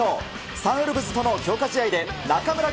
サンウルブズとの強化試合で中村亮